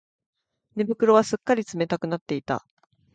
寝袋はすっかり冷たくなっていた